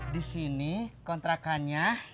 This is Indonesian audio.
di sini kontrakannya